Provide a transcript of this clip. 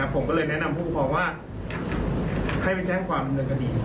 ผมก็เลยแนะนำผู้ความว่าให้ไปแจ้งความเรื่องกันดี